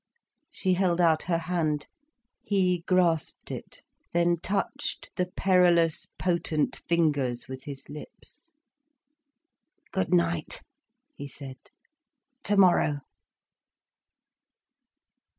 She held out her hand. He grasped it, then touched the perilous, potent fingers with his lips. "Good night," he said. "Tomorrow."